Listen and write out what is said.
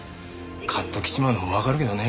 カッときちまうのもわかるけどね。